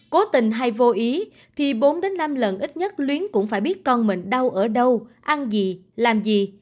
cố tình hay vô ý thì bốn đến năm lần ít nhất luyến cũng phải biết con mình đau ở đâu ăn gì làm gì